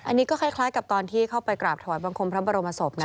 อันนี้ก็คล้ายกับตอนที่เข้าไปกราบถวายบังคมพระบรมศพนะ